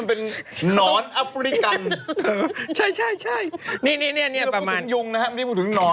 เออประมาณนี้